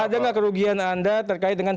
ada nggak kerugian anda terkait dengan